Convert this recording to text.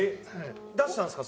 出したんですか？